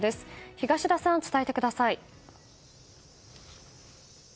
東田さん、伝えてください。